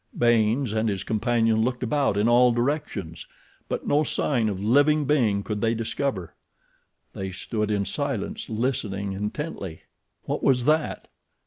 Baynes and his companion looked about in all directions; but no sign of living being could they discover. They stood in silence listening intently. What was that!